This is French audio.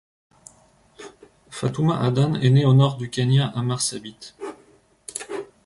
Fatuma Adan est née au nord du Kenya à Marsabit.